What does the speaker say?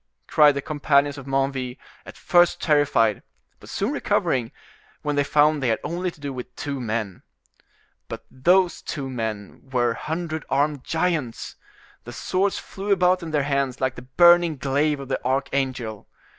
cried the companions of Menneville, at first terrified, but soon recovering, when they found they had only to do with two men. But those two men were hundred armed giants; the swords flew about in their hands like the burning glaive of the archangel.